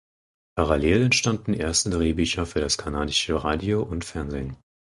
Parallel entstanden erste Drehbücher für das kanadische Radio und Fernsehen.